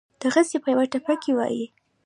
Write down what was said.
دغسې پۀ يوه ټپه کښې وائي: